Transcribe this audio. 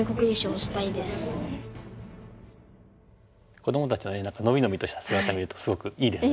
子どもたちの伸び伸びとした姿見るとすごくいいですね。